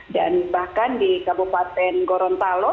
dan bahkan di kabupaten gorontalo